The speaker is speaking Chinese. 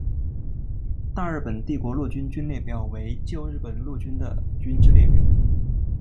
大日本帝国陆军军列表为旧日本陆军的军之列表。